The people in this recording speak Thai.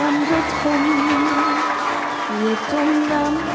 ในที่สุด